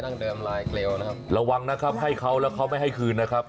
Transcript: ตอนนี้ทิชชันได้กำไรแล้วค่ะ